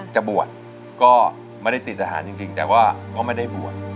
จะบวชก็ไม่ได้ติดทหารจริงแต่ว่าก็ไม่ได้บวช